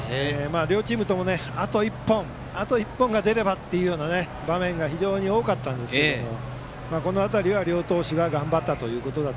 両チームともねあと一本が出ればという場面が非常に多かったんですけどこの辺りは両投手が頑張ったと。